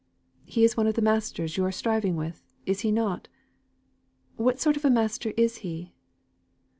"He is one of the masters you are striving with, is he not? What sort of a master is he?"